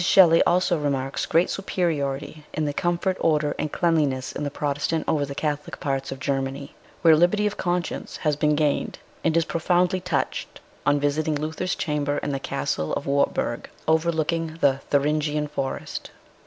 Shelley also remarks great superiority in the comfort, order, and cleanliness in the Protestant over the Catholic parts of Germany, where liberty of conscience has been gained, and is profoundly touched on visiting Luther's chamber in the castle of Wartburg overlooking the Thuringian Forest.